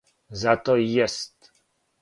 Зато и јест.